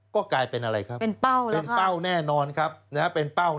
ก็กลายเป็นอะไรครับเป็นเป้าแน่นอนครับนะฮะเป็นเป้า